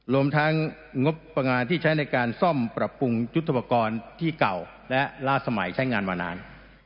รวมทั้งงบประมาณที่ใช้ในการซ่อมปรับปรุงยุทธปกรณ์ที่เก่าและล่าสมัยใช้งานมานาน